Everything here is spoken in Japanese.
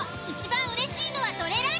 一番うれしいのはどれ？